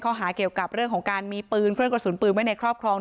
ข้อหาเกี่ยวกับเรื่องของการมีปืนเครื่องกระสุนปืนไว้ในครอบครอง